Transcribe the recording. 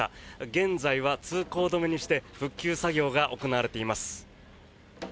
現在は通行止めにして復旧作業が行われています。